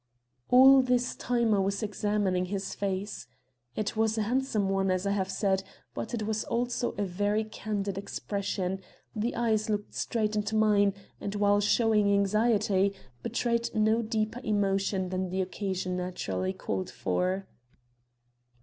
All this time I was examining his face. It was a handsome one, as I have said, but it had also a very candid expression; the eyes looked straight into mine, and, while showing anxiety, betrayed no deeper emotion than the occasion naturally called for.